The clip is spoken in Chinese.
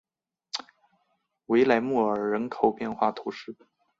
维莱莫尔人口变化图示